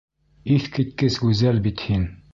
Иҫ киткес гүзәл бит һин.